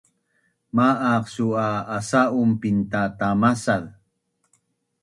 Ma’aq su’ a asa’un pintatamasaz?